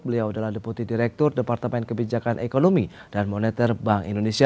beliau adalah deputi direktur departemen kebijakan ekonomi dan moneter bank indonesia